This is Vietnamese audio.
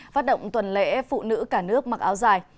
phát động tuần lễ phụ nữ cả nước mặc áo dài